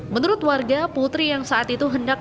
menurut warga putri yang saat itu hendak